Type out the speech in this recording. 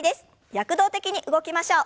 躍動的に動きましょう。